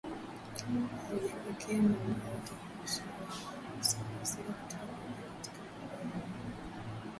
haujapokea maombi yoyote kuhusu wao kuhusika katika kuingia katika mgogoro huo